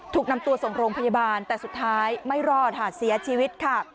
ถูกนำตัวส่งโรงพยาบาลแต่สุดท้ายไม่รอดค่ะเสียชีวิตค่ะ